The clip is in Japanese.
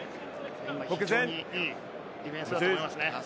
非常にいいディフェンスだと思いますね。